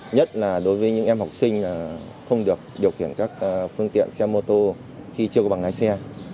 nhất là đối với những em học sinh không được điều khiển các phương tiện xe mô tô khi chưa có bằng lái xe